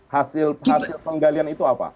hasil penggalian itu apa